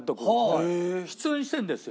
出演してるんですよ。